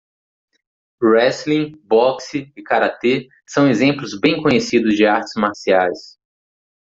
Wrestling, boxe e karatê são exemplos bem conhecidos de artes marciais.